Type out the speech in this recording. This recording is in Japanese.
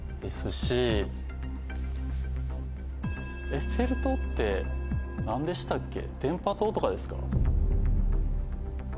「エッフェル塔」って何でしたっけ？